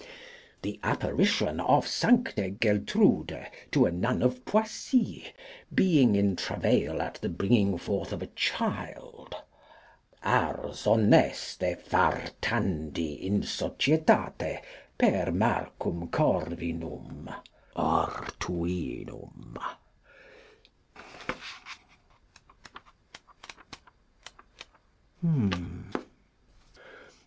The Apparition of Sancte Geltrude to a Nun of Poissy, being in travail at the bringing forth of a child. Ars honeste fartandi in societate, per Marcum Corvinum (Ortuinum).